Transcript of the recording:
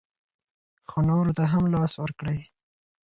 خو نورو ته هم لاس ورکړئ.